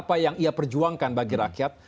apa yang ia perjuangkan bagi rakyat